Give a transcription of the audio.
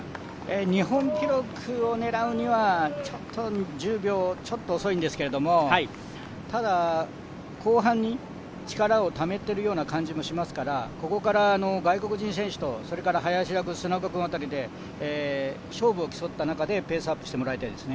日本記録を狙うには１０秒ちょっと遅いんですけれども、ただ、後半に力をためているような感じもしますからここから外国人選手と林田君と砂岡君辺りで勝負を競った中でペースアップしてもらいたいですね。